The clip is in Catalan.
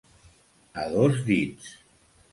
A dos dits.